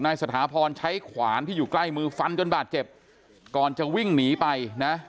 สถาพรใช้ขวานที่อยู่ใกล้มือฟันจนบาดเจ็บก่อนจะวิ่งหนีไปนะ